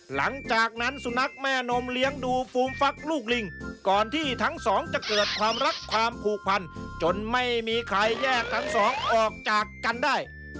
หลังจากนั้นสุนัขแม่นมเลี้ยงดูฟูมฟักลูกลิงก่อนที่ทั้งสองจะเกิดความรักความผูกพันจนไม่มีใครแยกทั้งสองออกจากกันได้